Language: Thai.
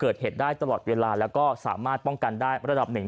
เกิดเหตุได้ตลอดเวลาแล้วก็สามารถป้องกันได้ระดับหนึ่ง